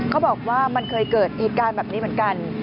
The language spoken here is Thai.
เขาบอกว่ามันเคยเกิดเหตุการณ์แบบนี้เหมือนกัน